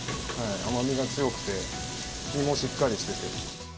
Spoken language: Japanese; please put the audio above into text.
甘みが強くて、実もしっかりしてて。